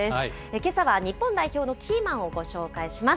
けさは日本代表のキーマンをご紹介します。